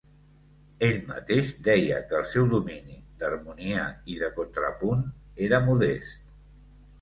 Ell mateix deia que el seu domini d'harmonia i de contrapunt era modest.